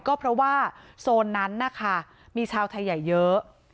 ก็เพราะว่าโซนนั้นนะคะมีชาวไทยใหญ่เยอะ